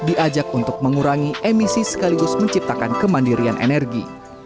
diajak untuk mengurangi emisi sekaligus menciptakan kemandirian energi